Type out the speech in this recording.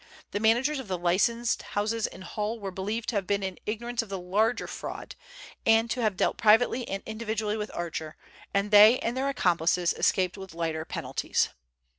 The managers of the licensed houses in Hull were believed to have been in ignorance of the larger fraud, and to have dealt privately and individually with Archer, and they and their accomplices escaped with lighter penalties.